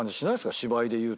芝居でいうと。